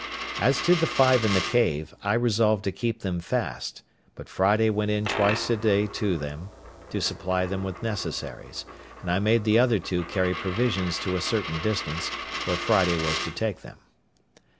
As to the five in the cave, I resolved to keep them fast, but Friday went in twice a day to them, to supply them with necessaries; and I made the other two carry provisions to a certain distance, where Friday was to take them.